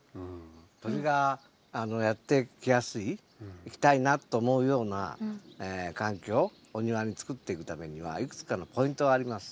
鳥がやって来やすい来たいなと思うような環境お庭に作っていくためにはいくつかのポイントがあります。